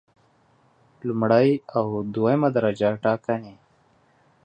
لومړی او دویمه درجه ټاکنې